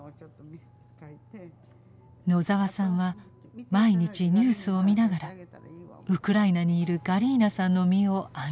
野澤さんは毎日ニュースを見ながらウクライナにいるガリーナさんの身を案じていました。